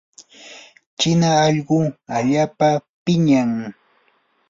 china allquu allaapa piñam.